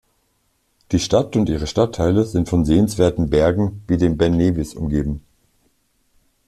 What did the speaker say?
Die Stadt und ihre Stadtteile sind von sehenswerten Bergen wie dem Ben Nevis umgeben.